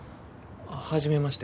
初めまして。